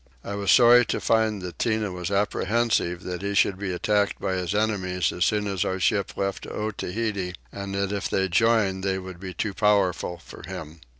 I was sorry to find that Tinah was apprehensive he should be attacked by his enemies as soon as our ship left Otaheite, and that if they joined they would be too powerful for him.